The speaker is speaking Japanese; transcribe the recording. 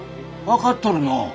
分かっとるのう。